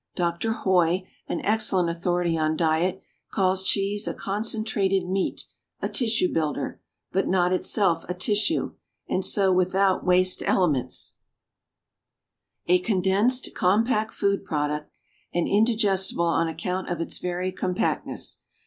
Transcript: Dr. Hoy, an excellent authority on diet, calls cheese a concentrated meat, a tissue builder, but not itself a tissue, and so without waste elements, a condensed, compact food product, and indigestible on account of its very compactness.